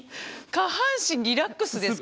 下半身リラックスですか？